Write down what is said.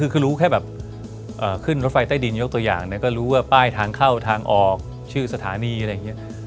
คือรู้แค่แบบขึ้นรถไฟใต้ดินยกตัวอย่างก็รู้ว่าป้ายทางเข้าทางออกชื่อสถานีอะไรอย่างนี้